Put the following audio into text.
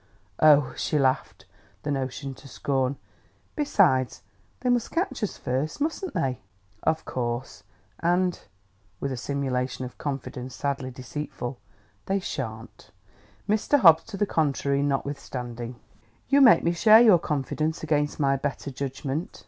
"Oh!" She laughed the notion to scorn. "Besides, they must catch us first, mustn't they?" "Of course; and" with a simulation of confidence sadly deceitful "they shan't, Mr. Hobbs to the contrary notwithstanding." "You make me share your confidence, against my better judgment."